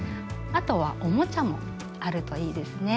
あとはおもちゃもあるといいですね。